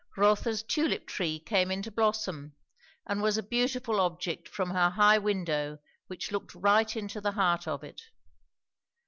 Rotha's tulip tree came into blossom, and was a beautiful object from her high window which looked right into the heart of it.